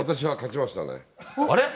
あれ？